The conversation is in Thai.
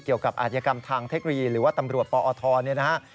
เกี่ยวกับอาธิกรรมทางเทครีหรือว่าตำรวจปอทเนี่ยนะครับ